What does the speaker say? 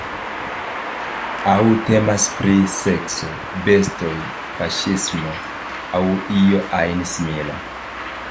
Aŭ temas pri sekso, bestoj, faŝismo aŭ io ajn simila.